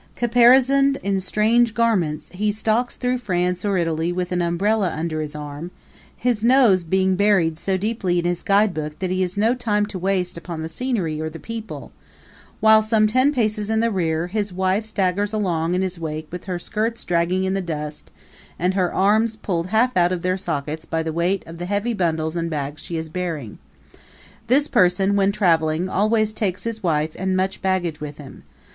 Caparisoned in strange garments, he stalks through France or Italy with an umbrella under his arm, his nose being buried so deeply in his guidebook that he has no time to waste upon the scenery or the people; while some ten paces in the rear, his wife staggers along in his wake with her skirts dragging in the dust and her arms pulled half out of their sockets by the weight of the heavy bundles and bags she is bearing. This person, when traveling, always takes his wife and much baggage with him.